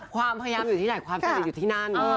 ความพยายามอยู่ที่ไหนความสนิทอยู่ที่นั่น